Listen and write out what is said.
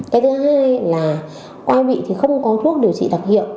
cái thứ hai là quay bị thì không có thuốc điều trị đặc hiệu